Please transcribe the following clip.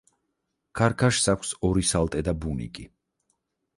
ქარქაშს აქვს ორი სალტე და ბუნიკი.